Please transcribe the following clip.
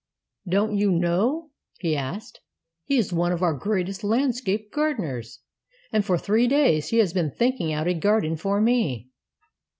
" Don't you know? " he said; "he is one of our greatest landscape gardeners, and for three days he has been thinking out a garden for me.